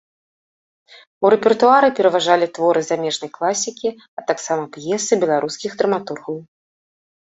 У рэпертуары пераважалі творы замежнай класікі, а таксама п'есы беларускіх драматургаў.